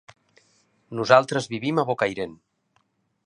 Nosaltres vivim a Bocairent.